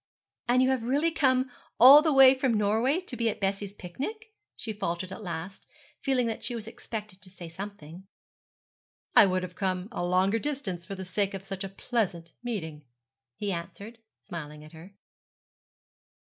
'And you have really come all the way from Norway to be at Bessie's picnic?' she faltered at last, feeling that she was expected to say something. 'I would have come a longer distance for the sake of such a pleasant meeting,' he answered, smiling at her.